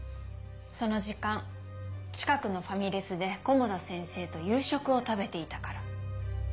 その時間近くのファミレスで古茂田先生と夕食を食べていたから。